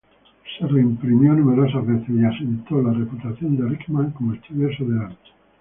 Se reimprimió numerosas veces, y asentó la reputación de Rickman como estudioso del arte.